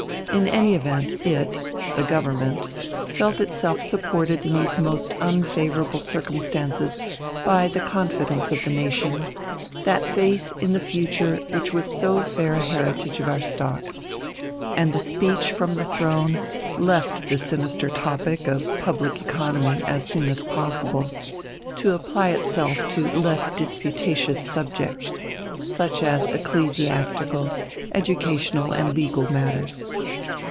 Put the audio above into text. In any event it the Government felt itself supported in these most unfavourable circumstances by the confidence of the nation, that faith in the future which was so fair a heritage of our stock.... And the Speech from the Throne left the sinister topic of public economy as soon as possible, to apply itself to less disputatious subjects, such as ecclesiastical, educational, and legal matters.